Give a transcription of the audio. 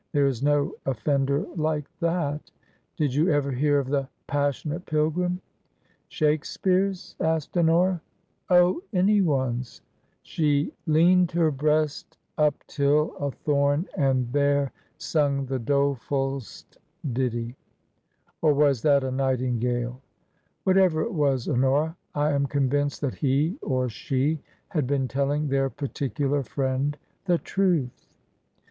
There is no offender like that Did you ever hear of the * Passionate Pilgrim' ?"" Shakespeare's ?" asked Honora. " Oh, anyone's ! She * leaned her breast up till a thorn and there sung the dolefuU'st ditty.' Or was that a nightingale? Whatever it was, Honora, I am con vinced that he or she had been telling their particular friend the truth."